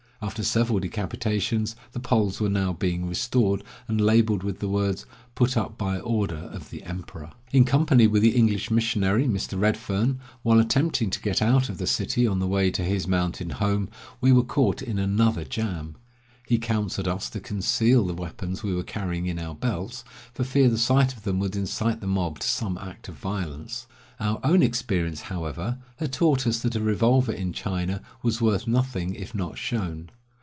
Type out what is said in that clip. After several decapitations, the poles were now being restored, and labeled with the words, "Put up by order of the Emperor." In company with the English missionary, Mr. Redfern, while attempting to get out of the city on the way to his mountain 181 TWO PAGODAS AT LAN CHOU FOO. home, we were caught in another jam. He counseled us to conceal the weapons we were carrying in our belts, for fear the sight of them should incite the mob to some act of violence. Our own experience, however, had taught us that a revolver in China was worth nothing if not shown.